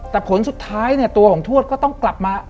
แต่ผลสุดท้ายเนี่ยตัวของทวดก็ต้องกลับมา